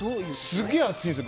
すげえ熱いんですよ。